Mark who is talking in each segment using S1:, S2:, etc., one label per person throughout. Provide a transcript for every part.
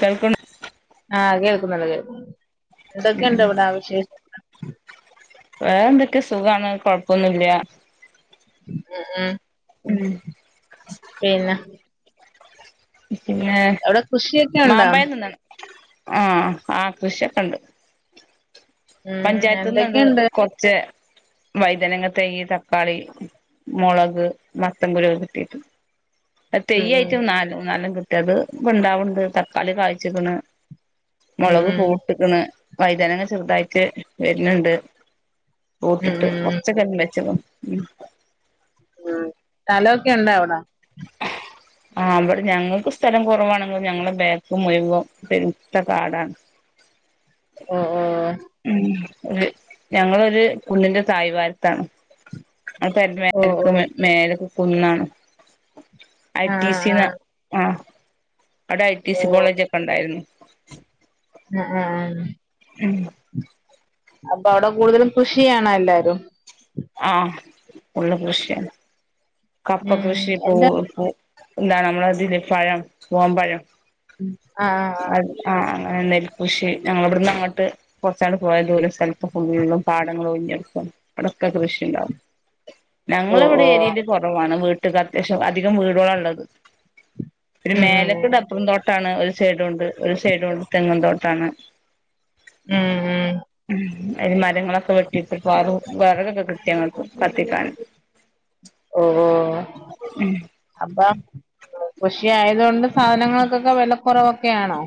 S1: കയിക്ക്ണ്
S2: ആ കേൾക്കുന്നുണ്ടല്ലെ എന്തൊക്കെണ്ട് അവ്ടെ വിശേ
S1: വേറെ എന്തക്കെ സുഖാണ് കൊഴപ്പൊന്നുല്ല
S2: ഉ ഉ
S1: ഉം
S2: പിന്ന
S1: പിന്നെ
S2: കൃഷിയൊക്കെ ഉണ്ടോ
S1: മാമ്പഴം തിന്നാണ് ആ ആ കൃഷിക്കെണ്ട്
S2: ഉം
S1: പഞ്ചായത്ത്ന്ന്ണ്ട്
S2: എന്തൊക്കെയുണ്ട്
S1: കൊർച്ചെ വൈതനങ്ങതെയ്യ് തക്കാളി മുളക് മത്തംകുരു കിട്ടീട്ട്
S2: ഉം
S1: തെയ്യയിട്ട്ന്നാലും ന്നാൽണ്ണംകിട്ട്യാത് പ്പഇണ്ടാവണ്ട് തക്കാളി കായ്ച്ചിക്ക്‌ണ്
S2: ഉം
S1: മുളക് പൂവ്ട്ട്ക്ണ് വൈതനങ്ങ ചെർതായിട്ട് വെര്ന്ണ്ട്
S2: ഉം ഉം
S1: പൂവ്ട്ടിട്ട്
S2: ഉം ഉം
S1: കൊർച്ചൊക്കെ [unintelligible]
S2: ഉം സ്ഥലൊക്കെണ്ടവിടാ
S1: ആ ഇവടെ ഞങ്ങക്ക് സ്ഥലം കുറവാണെങ്കി ഞങ്ങള ബേക്ക്മുഴുവോ പെരുത്ത കാടാണ്
S2: ഓ ഓ
S1: ഉം ഞങ്ങളൊരു കുണ്ട്ന്റെ തായ്‌വാരത്താണ് ആ പെര്ന്റെ
S2: ഓ
S1: മേലക്ക
S2: ഓ
S1: മേലക്ക് കുന്നാണ്
S2: ആഹ്
S1: ഐടിസിന
S2: ആഹ്
S1: ആ ഇവടെ
S2: ഓ
S1: ഐടിസി കോളേജ്ക്കെണ്ടായിരുന്നു
S2: അ അ ആ
S1: ഉം
S2: അപ്പൊ അവടെകൂടുതലും കൃഷിയാണൊ എല്ലാരും
S1: ആ ഫുള്ള് കൃഷിയാണ് കപ്പ
S2: ഉം
S1: കൃഷി പൂ
S2: എന്താ
S1: എന്താ നമ്മളതില്ലെ പഴം പുവംപഴം
S2: ഉം ആ ആ
S1: നെൽകൃഷി ഞങ്ങള ഇബട്ന്ന്അങ്ങട്ട് കൊർച്ചണ്ട് പോയ ദൂരം സ്ഥൽത്ത് ഫുള്ളും പാടങ്ങളൊയിഞ്ഞെട്ക അടക്കൊക്കെ കൃഷിണ്ടാവും.
S2: ഓ
S1: ഞങ്ങളിവിടെ
S2: ഓ
S1: ഏരിയയില് കുറവാണ് വീട്ടക്ക് അത്യാവശ്യം, അധികം വീടോളാ ഇള്ളത്. ഒരു
S2: ഉം ഉം
S1: മേലക്കട അപ്പറം തോട് ട്ടാണ് ഒരു സൈഡുകൊണ്ട് ഒരു സൈഡുകൊണ്ട് തെങ്ങും തോട്ടാണ്.
S2: ഉം ഉം
S1: അതില് മരങ്ങളൊക്കെ വെട്ടിട്ട വിറകൊക്കെ കിട്ടിയങ്ങക്ക് കത്തിക്കാൻ
S2: ഓ അപ്പ ഖുഷിയായതുകൊണ്ട് സാധനങ്ങൾക്കൊക്കെ വിലക്കൊറവൊക്കെയാണോ?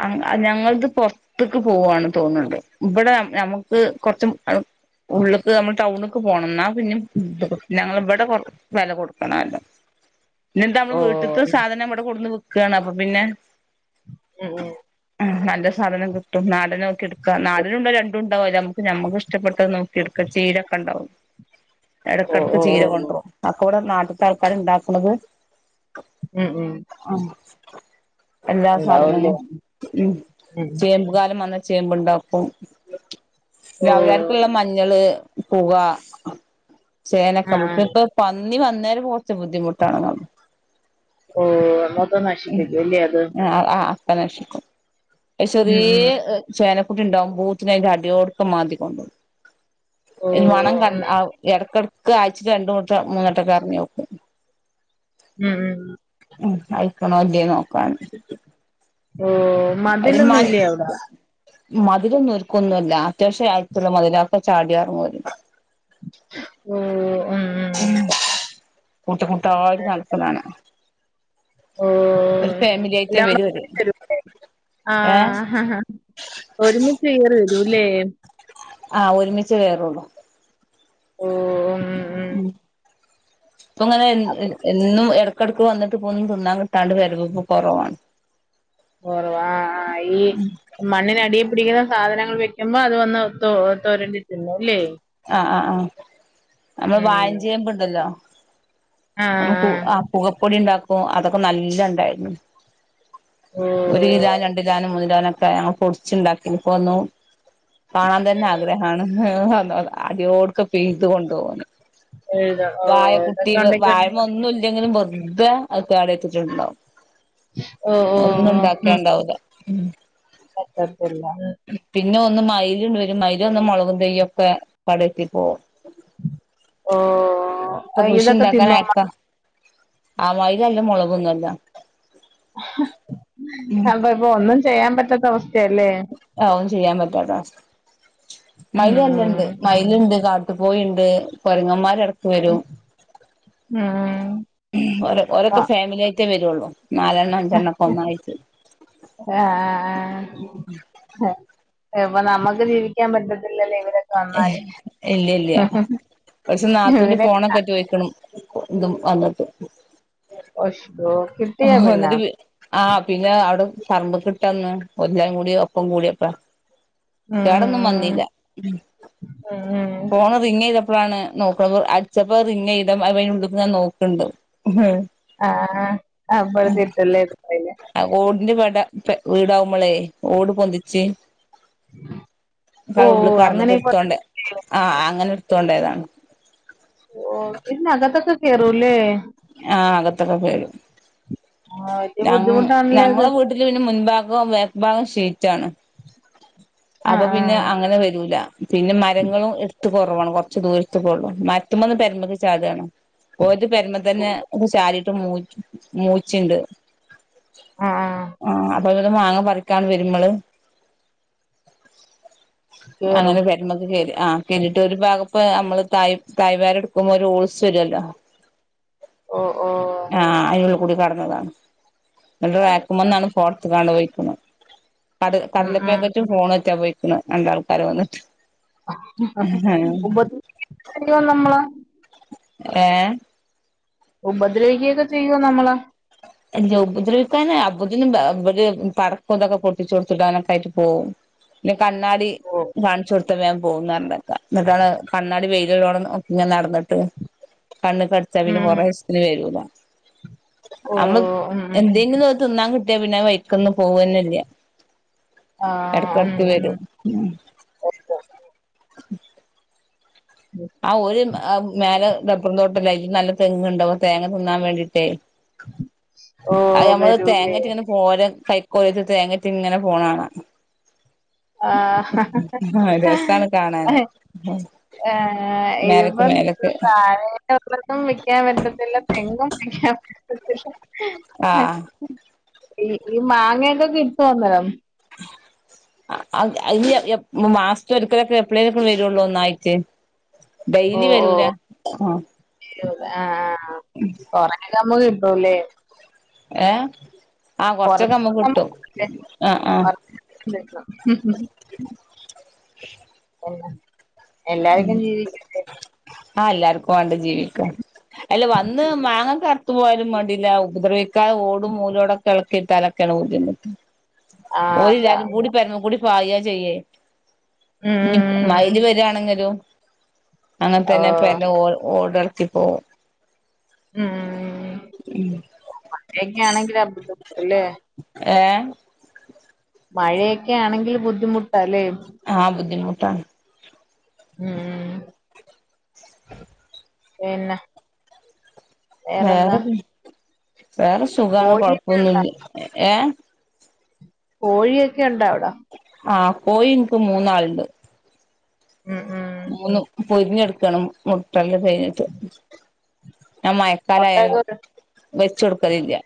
S1: അ ഞങ്ങൾത് പൊറത്തക്ക് പോവാണെന്ന് തോന്നണ്ട് ഇവിടെ നമുക്ക് കൊറച്ചു എ ഉള്ളക്ക് നമ്മൾ ടൗണക്ക് പോണം എന്നാ പിന്നെ ഞങ്ങൾ ഇവിടെ വെല കൊടുക്കണല്ലോ പിന്നെന്താ
S2: ഓ
S1: നമ്മള് വീട്ടത്തെ സാധനം ഇവിടെ കൊടുന്ന് വെക്കുവാണ് അപ്പൊ പിന്നെ
S2: ഉം ഉം
S1: നല്ല സാധനം കിട്ടും നാടൻ നോക്കിയെടുക്ക നാടനൂണ്ട് രണ്ടുവുണ്ടാവതില് നമുക്ക് ഞമ്മക്കിഷ്ടപ്പെട്ടത് നോക്കിയെടുക്ക ചീടൊക്കെ ഉണ്ടാവും
S2: ഓ
S1: എടക്കെടക്ക്
S2: ഓ
S1: ചീര
S2: ഓ
S1: കൊണ്ടരും ഒക്കിവിടെ നാട്ടത്തെ ആൾക്കാര് ഇണ്ടാക്കണതു
S2: ഉം ഉം
S1: എല്ലാ
S2: ഉണ്ടാവുംല്ലേ
S1: സാധനങ്ങളും ഉം
S2: ഉം
S1: ചേമ്പ് കാലം വന്ന ചേമ്പ്ണ്ടാക്കും
S2: ഓ
S1: പിന്നെ അവരർക്കുള്ള മഞ്ഞള് പുക ചേനക്കെ,
S2: ആഹ് ആഹ്
S1: മറ്റൊക്കെ ന്നി വന്നേര് പോവച്ച ബുദ്ധിമുട്ടണ
S2: ഓ മൊത്തം നശിപ്പിക്കുവല്ലേ അത്?
S1: ആഹ് ആഹ് അക്ക നശിക്കും
S2: ഉം
S1: ചെറിയ
S2: ഉം
S1: ചേനക്കുട്ടി ഉണ്ടാവുമ്പോത്തേന് അതിന്റെ അടിയോടക്കം മാന്തി കൊണ്ടോം.
S2: ഓ
S1: മണം
S2: ഉം
S1: കണ്ട ഇടക്കെട ക്കാഴ്ച്ചേ രണ്ടു വട്ടം മൂന്നുട്ടക്കെറങ്ങി നോക്കും
S2: ഉം ഉം
S1: ഉം ആയിക്കണോ ഇല്ലേ നോക്കാൻ
S2: ഓ
S1: അയിലുമ്മാൻ
S2: മതിലൊന്നുംല്ലേ അവിടെ
S1: മതിലൊന്നും ഒരുക്കൊന്നല്ല അത്യാവശ്യ അട്തുള്ള മതിലൊക്കെ ചാടിയാങ്ട് പോ
S2: ഓ
S1: ഉം കൂട്ട കൂട്ട ആയിട്ട് നടക്കലാണ്
S2: ഓ
S1: ഒരു ഫാമിലി ആയിട്ടേ
S2: എല്ലാം
S1: വരുഓര്
S2: കൂടെ ഒരുമിച്ച് വരൂല്ലേ ആഹ് ഹാം ഒരുമിച്ച് കേറി വരൂല്ലേ
S1: ആഹ് ഒരുമിച്ചേ വേര്വൊള്ളൂ
S2: ഓ ഉം
S1: ഉം ഇപ്പ ഇങ്ങനെ
S2: അപ്പൊ
S1: എന്നും എടക്കെടക്ക് വന്നിട്ട് പോ തിന്നാൻ കിട്ടാണ്ട് വരവിപ്പ കുറവാണ്
S2: ഓ ആഹ് ഹാ ഈ മണ്ണിനടി പിടിക്കുന്നത് സാധനങ്ങൾ വെക്കുമ്പോ അത് വന്നു തൊരണ്ടിത്തിന്നുല്ലേ
S1: ആഹ് ആഹ് ആഹ് നമ്മള്
S2: ഉം
S1: വായിൻചേമ്പ്ണ്ടല്ലോ നമുക്ക് ആഹ് കൂവപ്പൊടി ഉണ്ടാക്കും അതൊക്കെ നല്ല ഇണ്ടായിരുന്നു
S2: ഓ
S1: ഒരു കിലാനും രണ്ട് കിലാനും മൂന്ന് ന്ഒക്കെ ഞങ്ങ പൊടിച്ച്ണ്ടാക്കിനിപ്പോന്നും കാണാൻ തന്നെ ആഗ്രഹാണ അടിയോട്ക്കെ പ്പെയ്തു കൊണ്ട് പോന്നു
S2: എഴുത ഓ
S1: വായക്കുട്ടി
S2: ഇതൊക്കെ ഉണ്ടെങ്കി
S1: വായമേ ഒന്നും ഇല്ലെങ്കിലും വെറു ഇത് അക്കാടെ എത്തിട്ടുണ്ടാവും
S2: ഓ ഓ
S1: ഒന്നും ഉണ്ടാക്ക്യണ്ടാവില്ല
S2: പറ്റത്തില്ലാന്ന്
S1: ന്നെ മയിലും വരും മയിലും വന്ന് മുളകും തയ്യ് ഒക്കെ കേടറ്റി പോകും
S2: ഓ അത് ഇതൊക്കെ തിന്നോ
S1: ആഹ് മയിലല്ല മുളകൊന്നും അല്ല
S2: അവിടെ ഇപ്പ ഒന്നും ചെയ്യാൻ പറ്റാത്ത അവസ്ഥയാല്ലേ
S1: ആഹ് ചെയ്യാൻ പറ്റാതവസ്ഥെ
S2: ഉം
S1: മയിൽ അല്ലേണ്ട് മയ്ല്ണ്ട് കാട്ട പോയിണ്ട് കൊരങ്ങന്മാരെടക്ക്
S2: ഉം
S1: വരും
S2: ഉം
S1: ഓ ഓരൊക്കെ ഫാമിലി ആയിട്ടേ വരള്ളൂ നാലെണ്ണ അഞ്ചെണ്ണക്ക ഒന്നായിട്ട്
S2: പ്പൊ നമുക്ക് ജീവിക്കാൻ പറ്റത്തില്ലല്ലേ ഇവടെ
S1: ഇല്ല ഇല്ല കുറച്ച് നാത്തൂന്റെ
S2: ഇവരെ
S1: ഫോണൊക്കെ ചോദിക്കണം ഇതും വന്നിട്ട്
S2: ഒശ്
S1: വന്നിട്ട് ആഹ് പിന്നെ അവ്ടെ പറമ്പ് കിട്ടന്ന് ഒലും കൂടി ഒപ്പം കൂടിയപ്പാ കേടൊന്നും വന്നീല്ല
S2: ഉം ഉം ഉം
S1: ഫോണ് റിങ് ചെയ്ത പ്പളാണ് നോക്ക്ണെ അട്ച്ചപ്പ റിങ്ങയ്ത അപ്പ അയ്ൻ്റെ ഉള്ള്ക്ക് നോക്ക്ണ്ട്
S2: ആഹ് അമ്പഴ തീറ്റ
S1: ന്റെ വട വീടാവുമ്പോളെ ഓട് പൊന്തിച്ച്
S2: ഓ
S1: ഉള്ളിൽ കട്ന്നിട്ട് എടുത്തോണ്ട്
S2: അങ്ങനെയൊക്കെ
S1: ആഹ് അങ്ങനെ തോണ്ടേതാണ്
S2: ഓ ഇന്നകത്തൊക്കെ കേറൂല്ലേ
S1: അത്രക്ക പേരും
S2: ആ വലിയ
S1: ഞങ്ങ്
S2: ബുദ്ധിമുട്ടാണല്ലേ അത്
S1: ഞങ്ങളെ വീട്ടിൽ പിന്നെ മുൻഭാഗവും വേക്ക്ഭാഗം ശ [unintelligible] അപ്പൊ
S2: ആഹ്
S1: പിന്നെ
S2: ആഹ്
S1: അങ്ങനെ വരൂല പിന്നെ മരങ്ങളും ഇട് കുറവാണ് കുറച്ച് ദൂരത്ത്ക്കൊള്ളൂ മര്ത്ത്മന്ന് പെരമ്മക്ക് ചാട്ആണ് ഓര്ത് പെരുമത് ന്നെ ഒരു ചാരിട്ട് മൂച്ചിണ്ട്
S2: ആഹ്
S1: [unintelligible] മാങ്ങ പറിക്കാൻ വരുമ്പള്
S2: കേറും
S1: അങ്ങനെ വരമ്പ്ക്ക് കേറി ആഹ് കിരീട്ട് ഒരു ഭാഗപ്പ നമ്മള് തായ് തായ്വാര എടുക്കുമ്പോ ഒരു ഓൾസ് വരുല്ലോ
S2: ഓ ഓ
S1: കൂടി കടന്നതാണ് ഇന്നട്ട്
S2: ആണ്
S1: റക്കുമന്നാണ് ഫോൺത്ത് കാണ്ട്പോയിക്കുന് കട
S2: ഉം ഉം
S1: കടലപ്പേക്കറ്റ് ഫോൺറ്റാ പോയിക്കണ് രണ്ടാൾക്കാര് വന്നിട്ട്
S2: ഉപികം നമ്മള [inaudible]
S1: ഏഹ
S2: ഉപദ്രവിക്കുകൊക്കെ ചെയ്യുവോ നമ്മള
S1: ഇല്ല ഉപദ്രവിക്കാന് അപ്പോത്തിന് ഇവര് പടക്കൊക്കെ പൊട്ടിച്ചു കൊടുത്തിടാനൊക്കെ പോകും പിന്നെ കണ്ണാടി
S2: ഓ
S1: കാണിച്ചു കൊടുത്ത വേഗംപോകും പരണക്കാ എന്നിട്ടാണ് കണ്ണാടി വൈ [unintelligible] ോ ഇങ്ങ [unintelligible] നടന്നിട്ട് കണ്ണ് കടിച്ചാ പിന്നെ
S2: ഉം
S1: കൊറ ഇശത്തിന് വരൂല
S2: ഓ
S1: നമ്മള്
S2: ഉം ഉം ഉം
S1: എന്തെങ്കിലും നോ തിന്നാൻ കിട്ടിയാ പിന്നെ വൈക്കന്നും പോവന്നല്ല
S2: ആഹ്
S1: ഇടക്കിടക്ക്
S2: ഉം
S1: വരും
S2: ഉം
S1: ആ ഒരു മേലെ ടപ്പർ തോട്ടം അതിൽ നല്ല തെങ്ങുണ്ട് തേങ്ങ തിന്നാൻ വേണ്ടീട്ട്
S2: ഓ
S1: അത് നമ്മള്
S2: വരൂല്ലേ
S1: തേങ്ങറ്റ് ഇങ്ങനെ പോര ഹൈക്കോളേജ [unintelligible] തേങ്ങറ്റ് ഇങ്ങനെ പോണാണ്
S2: ആഹ
S1: രസാണ് കാണാന്
S2: ആഹ
S1: മേലക്ക്
S2: ഇതിപ്പം
S1: മേലക്ക്
S2: താഴേ ഉള്ളന്നും വിക്കാൻ പറ്റത്തില്ല തെങ്ങും വിക്കാൻ [unintelligible] ക്കക്ഷ [inaudible]
S1: ആഹ
S2: ഈ ഈ മാങ്ങയൊക്കൊക്ക കിട്ടോ വന്നേരം
S1: [unintelligible] മാസത്തെ ഒരിക്കലൊക്കെ എപ്ലൈൊക്കെ വരുള്ളൂ ഒന്നായിട്ട്
S2: ഓ
S1: ഡെയിലി
S2: ഓ
S1: വരൂല
S2: ഓക്കേ,
S1: ആഹ
S2: ഓക്കേ. ആ കൊറെയൊക്കെ നമ്മക്ക് കിട്ടുംല്ലേ
S1: ഏ ആഹ കൊറച്ചൊക്കെ നമ്മക്ക് കിട്ടും ആഹ ആഹ
S2: [unintelligible] [unintelligible] എല്ലാർക്കും ജീവിക്കേണ്ടേ?
S1: ആ എല്ലാർക്കും വണ്ടേ ജീവിക്കാ അല്ല വന്ന് മാങ്ങ കറുത്തു പോയതും വേണ്ടില്ല ഉപദ്രവിക്കാ ഓടും മൂലോടൊക്കെ ഇളക്കിട്ട അലക്ക- [unintelligible]
S2: ആ
S1: [unintelligible] ഓല്
S2: അതാ
S1: എല്ലാരും കൂടെ പേരമകൂടെ പായ ചെയ്യാ ഇനിം
S2: ഉം
S1: മൈല് വരിയാണെങ്കിലോ? അങ്ങനെ
S2: ഓ
S1: തന്നെപ്പ എ ഓട്. ത്തിപ്പോ
S2: ഉം ഉം ഉം മായൊക്കആണെങ്കില്. ബുദ്ധിമുട്ടലെ?
S1: ഏ
S2: മഴയൊക്കെ ആണെങ്കിൽ ബുദ്ധിമുട്ടല്ലേ?
S1: ട്ട [unintelligible]
S2: ഉം ഉം ഉം
S1: [unintelligible]
S2: പിന്നെ വേറെന്താ
S1: വേറെ എന്ത് വേറെ സുഖാണ്.
S2: കോഴിയൊക്കെ ഉണ്ടോ
S1: കൊഴപ്പൊന്നില്ല ഏ
S2: കോഴിയൊക്കെ ണ്ടോ അവിടാ?
S1: ആ കോയി എനിക്ക് മൂന്നാളണ്ട്?
S2: ഉം ഉം
S1: മൂന്നും പൊരിന്നുകിടക്കാണ് മുട്ടയും കഴിഞ്ഞിട്ട്? ആ മഴക്കാലായാല്
S2: മുട്ടയൊക്കെ
S1: വെച്ചു കൊടുക്കൽ ഇല്ല്യ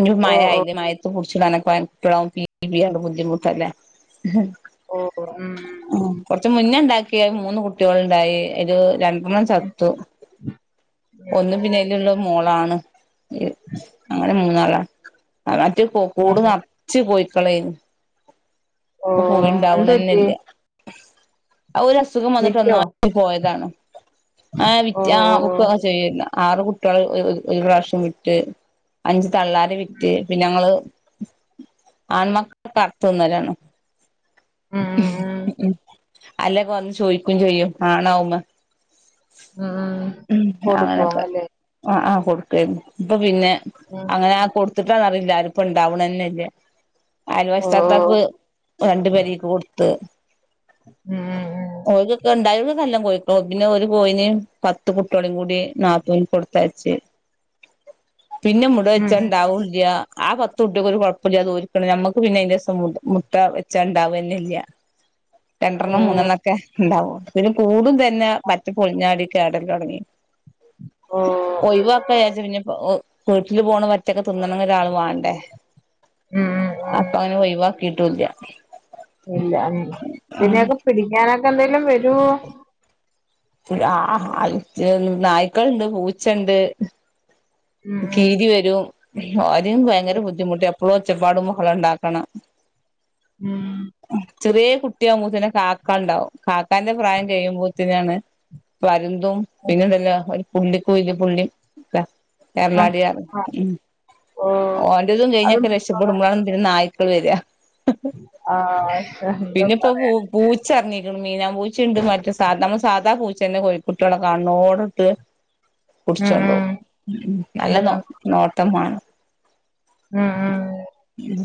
S1: ഇനി
S2: ഓ
S1: മഴ ആയില്ലേ മഴയത്ത് പുടി ച്ചിടനൊക്കെ [unintelligible] ബുദ്ധിമുട്ടല്ലേ?
S2: ഓ ഓ
S1: ഉം, കൊറച്ച് മുന്നേ ഉണ്ടാക്കിയ മൂന്ന് കുട്ടിയോൾ ണ്ടായി? [unintelligible] രണ്ട്. ഒരാള് ചത്തു ഒന്ന് പിന്നേലുള്ളത്. മോളാണ്? എയ്യ്, അങ്ങനെ മൂന്നാളാ അവറ്റ ഇപ്പൊ കൂട്
S2: ആഹ്
S1: നറച്ച് കോഴി മക്കളെ ഇപ്പൊ
S2: ഓഹ് എന്ത് പറ്റി
S1: കോയിണ്ടാവണെന്നില്ല. ആ ഒരു അസുഖം വന്നിട്ട്
S2: വിറ്റോ
S1: ഒന്നായിട്ടു പോയതാണ്. [unintelligible]
S2: ഓഹ് ഓഹ്
S1: ആറ് കുട്ട്യോള് ഒരു പ്രാവശ്യം വിറ്റ് അഞ്ച് തള്ളാര് വിറ്റ് പിന്നെ ഞങ്ങള്. ആന്മക്കളർത്തൊന്നരാണ് [unintelligible] ഉം ഉം ഉം അല്ല ഇപ്പ വന്ന് ചോയിക്കും ചെയ്യും ആണോ എന്ന്?
S2: ഉം ഉം ഉം
S1: ഉ
S2: കൊടുക്കും
S1: അങ്ങനെയൊക്കെ
S2: അല്ലേ
S1: ആ ആ കൊടുക്ക ഇപ്പൊ പിന്നെ?
S2: ഉം
S1: അങ്ങനെ കൊടുത്തിട്ടാന്നറിയില്ല അത് ഇപ്പോൾ ഇണ്ടാവണു തന്നെ ഇല്ല്യ?
S2: ഓഹ്
S1: അയൽവാശിതാത്തക്ക് രണ്ടു പേരക്ക് കൊടുത്ത്
S2: ഉം ഉം
S1: ഓര്ക്കൊക്കെ
S2: ഉം
S1: [unintelligible] പിന്നെ ഒരു കോയിനേം പത്ത് കുട്ട്യോളെ കൂടി നാത്തൂന്ക്ക് കൊടുത്തയച്ച്. പിന്നെ മുട
S2: ഉം
S1: വെച്ചു
S2: ഉം
S1: ഉണ്ടാവുല്ല്യ ആ പത്ത്കുട്ട്യോക്കും ഒരു കുഴപ്പമില്ലാ എന്ന് ദോർക്കുന്ന്‌ ഞമ്മക്ക് പിന്നെ അയിന്റെഷം മുട്ട വെച്ചാൽ ഒണ്ടാവെന്നില്ല തന്നെ ഇല്ല്യ. രണ്ടണ്ണം
S2: ഓഹ്
S1: മുന്നെണ്ണോക്കെ ഇണ്ടാവും പിന്നെ കൂടും തന്നെ പറ്റി പൊളിഞ്ഞാടി കേടന്ന് തുടങ്ങി
S2: ഓഹ്
S1: ഒയ്യിവാക്കാന്ന് വിചാരിച്ചു പിന്നെ ഇപ്പോൾ വീട്ടില് പോണ വറ്റൊക്കെ തിന്നന്നങ്കിൽ ഒരാൾ വാണ്ടേ?
S2: ഉം ഉം ഉം
S1: അപ്പൊ അങ്ങനെ ഒയ്യ് - കിട്ടൂല്ല്യ
S2: ഇല്ല്യാന്നെ? ഇതിനെയൊക്കെ പിടിക്കാനൊക്കെ എന്തെലും വരുവോ?
S1: ആ ആ നായ്ക്കളുണ്ട് പൂച്ചേണ്ട്.
S2: ഉം
S1: കീരി വരും ആദ്യം ഭയങ്കര
S2: ഉം
S1: ബുദ്ധിമുട്ടീ എപ്പളും ഒച്ചപ്പാടും ബഹളുണ്ടാക്കണ്.
S2: ഉം
S1: ചെറിയ കുട്ടിയാകുമ്പോക്കിനും കാക്ക ഉണ്ടാവും. കാക്കാന്റെ പ്രായം കഴിയുമ്പോത്തന്നെയാണ്. പരുന്തും പിന്നെ ഒണ്ടല്ല ഒരു പുള്ളികുയില് പുള്ളി അല്ലേ. കേരളാട
S2: ആഹ് ആഹ്
S1: ഉം
S2: ഓഹ്
S1: ഓന്റെതും
S2: അതും
S1: കഴിഞ്ഞൊക്കെ രക്ഷപ്പെടുമ്പോഴാണ് പിന്നെ നായി [unintelligible]
S2: ആാ
S1: പിന്നെ ഇപ്പോ പൂ പൂച്ചെറെങ്ങി മീനാ പൂച്ചേണ്ട് മറ്റേ സാധാ നമ്മാ സാധാ പൂച്ച തന്നെ കോഴിക്കുട്ടിളെ കാണ്ണ്ണോടെട്ട്
S2: ഉം
S1: പിടിച്ചോണ്ട്
S2: ഉം
S1: പോവും മ്മ് നല്ല നോ
S2: ഉം
S1: നോട്ടം വേണം
S2: ഉം ഉം
S1: ഉം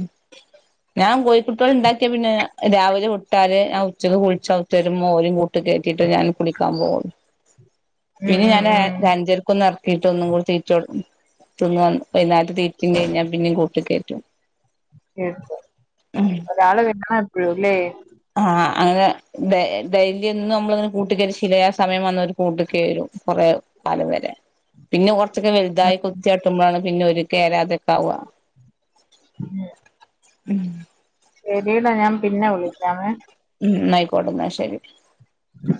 S1: ഞാൻ കോഴിക്കുട്ടികളെ ഒണ്ടാക്കിയാ പിന്നെ രാവിലെ വിട്ടാൽ ഞാൻ ഉച്ചക്ക് കുളിച് അകത്തേരുമ്പോ ഓരേം കൂട്ടിൽ ആക്കിട്ടു ഞാൻ കുളിക്കാൻ പോവം
S2: [inaudible]
S1: പിന്നെ ഞാൻ
S2: ഉം
S1: [unintelligible]
S2: ഉം
S1: അഞ്ചരക്ക് കീട്ട ഒന്നും കൂടി തീറ്റാ കൊടുക്കും തിന്ന് വൈകുന്നോരാത്തെ തീറ്റാ കഴിഞ്ഞാ പിന്നേും കൂട്ടികെറ്റും
S2: [unintelligible] ഒരാള് വെക്കണം എപ്പഴുല്ലേ
S1: ആഹ് അങ്ങനെ ഡേ ഡേയ്ലി എന്നും നമ്മള് ഇങ്ങനെ കൂട്ടിക്കേറ്റി ശീലായി ആ സമയം വന്നോര് കൂട്ടിക്കെറും കൊറേ പല [unintelligible] പിന്നെ കൊ റ ച്ചേക്കെ
S2: ഉം
S1: വല്ലാതായി കൊത്തിയാട്ടുമ്പോഴാണ് പിന്നെ ഒര് കേയറാതൊക്കെ ആവാ
S2: [unintelligible]
S1: ഉം
S2: ശെരിയെന്നാ ഞാൻ പിന്നെ വിളിക്കാമേ
S1: അയിക്കോട്ടെ ന്നാ ശെരി
S2: ഉം